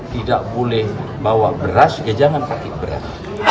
tidak boleh bawa beras ya jangan pakai beras